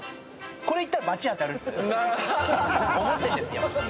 これいったら罰当たるって思ってんですよ。